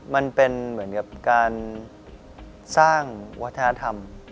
มันเป็นเหมือนกับการสร้างวัฒนธรรม